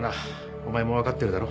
お前も分かってるだろ？